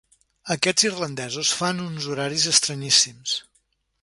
Aquests irlandesos fan uns horaris estranyíssims.